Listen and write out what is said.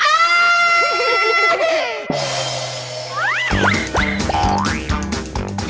เอา